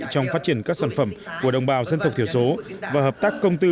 trong phát triển các sản phẩm của đồng bào dân tộc thiểu số và hợp tác công tư